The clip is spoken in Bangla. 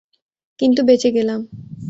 কিন্তু বেঁচে গেলাম।